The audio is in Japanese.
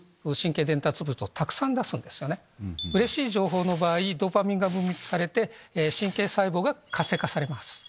うれしい情報の場合ドーパミンが分泌されて神経細胞が活性化されます。